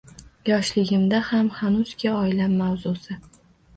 Yoshligimda ham hanuzki oilam mavzusi.